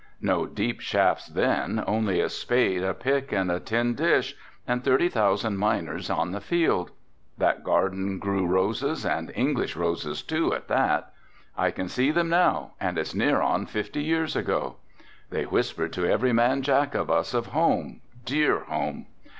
No deep shafts then, only a spade, a pick, and a tin dish, and thirty thousand miners on the field. That garden grew roses and English roses too, at that. I can see them now and it's near on fifty years ago. They whispered to every man Jack of us of home, dear home.